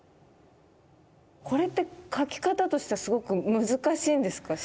これって描き方としてはすごく難しいんですか？